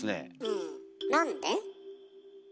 うんなんで？